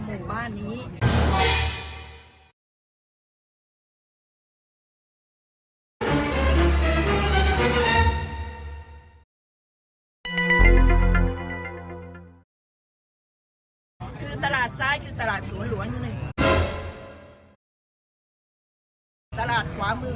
มีชิ้นและแควะสาวมา๑๐ตัวละคราวนี้